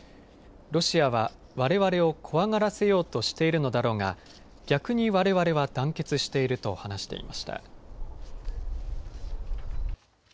ロシアは、われわれを怖がらせようとしているのだろうが逆にわれわれは団結していると話していました。